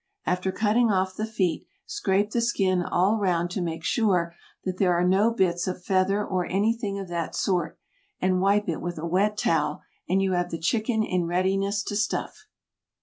After cutting off the feet scrape the skin all round to make sure that there are no bits of feather or anything of that sort, and wipe it with a wet towel and you have the chicken in readiness to stuff.